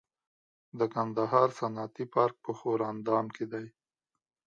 د کندهار صنعتي پارک په ښوراندام کې دی